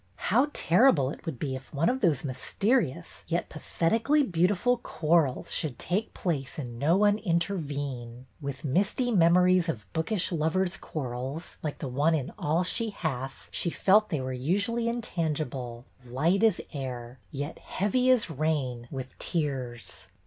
How terrible it would be if one of those mys terious, yet pathetically beautiful, quarrels should take place and no one intervene! With misty MISS HUNT'S LOVER 199 memories of bookish lovers' quarrels, like the one in All She Hath," she felt they were usually intangible, light as air, yet heavy as rain with tears.